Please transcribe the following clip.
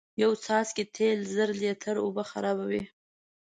یو څاڅکی تیل زر لیتره اوبه خرابوی